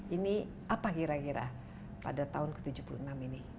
ini apa kira kira pada tahun ke tujuh puluh enam ini